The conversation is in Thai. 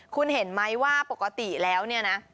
คุณเห็นไหมว่าปกติแล้วเนี่ยนะ